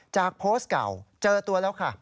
โพสต์เก่าเจอตัวแล้วค่ะ